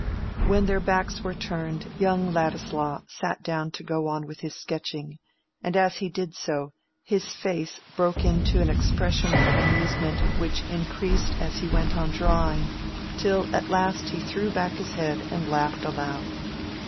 When their backs were turned, young Ladislaw sat down to go on with his sketching, and as he did so his face broke into an expression of amusement which increased as he went on drawing, till at last he threw back his head and laughed aloud.